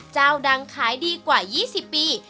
เจ้าดังขายดีกว่า๒๐ปี